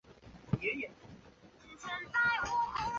历官福建江西观察使。